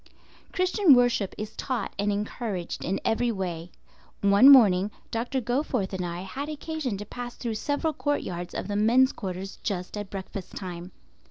Christian worship is taught and encouraged in every way. One morning Dr. Goforth and I had occasion to pass through several courtyards of the men's quarters just at breakfast time.